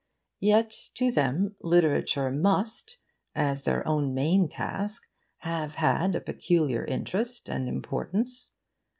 Yet to them literature must, as their own main task, have had a peculiar interest and importance.